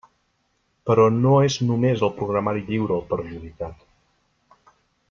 Però no és només el programari lliure el perjudicat.